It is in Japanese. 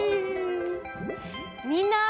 みんな！